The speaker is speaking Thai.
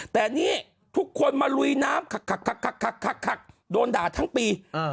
แต่นี่ทุกคนมาลุยน้ำคักโดนด่าทั้งปี